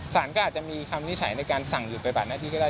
สารก็อาจจะมีคำวินิจฉัยในการสั่งหยุดไปบัดหน้าที่ก็ได้